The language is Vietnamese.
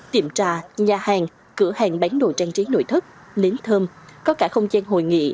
tiệm trà nhà hàng cửa hàng bán đồ trang trí nội thất nến thơm có cả không gian hội nghị